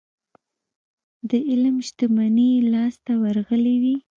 د علم شتمني يې لاسته ورغلې وي.